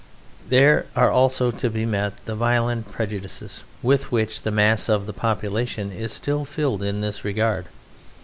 There are also to be met the violent prejudices with which the mass of the population is still filled in this regard.